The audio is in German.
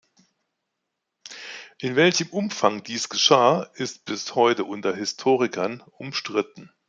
In welchem Umfang dies geschah, ist bis heute unter Historikern umstritten.